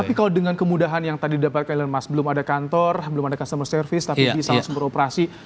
tapi kalau dengan kemudahan yang tadi didapatkan oleh mas belum ada kantor belum ada customer service tapi bisa langsung beroperasi